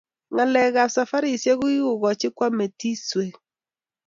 Ngalek ab safarishek kokikokachi koam metiswek .